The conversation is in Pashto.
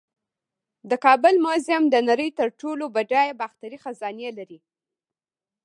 د کابل میوزیم د نړۍ تر ټولو بډایه باختري خزانې لري